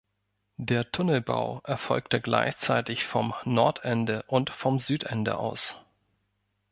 Der Tunnelbau erfolgte gleichzeitig vom Nordende und vom Südende aus.